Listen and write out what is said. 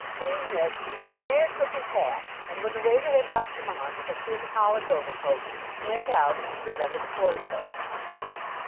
Seeing this the Mayor took his hat, and when the waiter had helped him on with a thin holland overcoat, went out and stood under the portico.